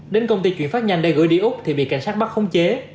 đến công ty chuyển phát nhanh để gửi đi úc thì bị cảnh sát bắt khống chế